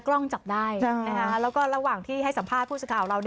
กล้องจับได้แล้วก็ระหว่างที่ให้สัมภาษณ์ผู้สื่อข่าวเรา